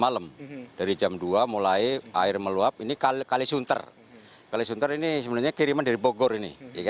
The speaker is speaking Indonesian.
dari semalam dari jam dua mulai air meluap ini kali sunter kali sunter ini sebenarnya kiriman dari bogor ini